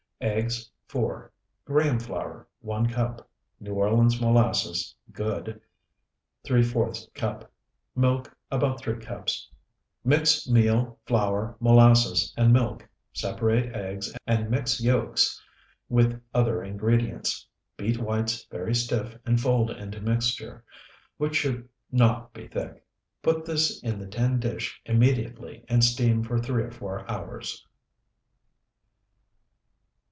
Eggs, 4. Graham flour, 1 cup. New Orleans molasses (good), ¾ cup. Milk, about 3 cups. Mix meal, flour, molasses, and milk; separate eggs and mix yolks with other ingredients. Beat whites very stiff and fold into mixture, which should not be thick. Put this in the tin dish immediately and steam for three or four hours.